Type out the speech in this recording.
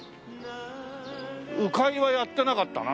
鵜飼いはやってなかったな